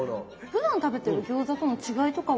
ふだん食べてる餃子との違いとかは？